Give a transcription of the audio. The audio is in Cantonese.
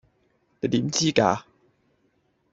你點知架?